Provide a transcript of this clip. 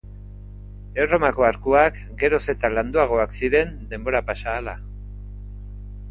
Erromako arkuak geroz eta landuagoak ziren denbora pasa ahala.